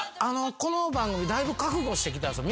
この番組だいぶ覚悟してきたんす。